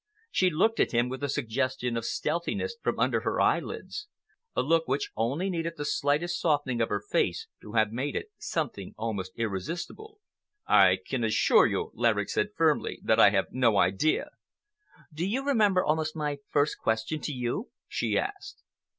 She looked at him with a suggestion of stealthiness from under her eyelids, a look which only needed the slightest softening of her face to have made it something almost irresistible. "I can assure you," Laverick said firmly, "that I have no idea." "Do you remember almost my first question to you?" she asked.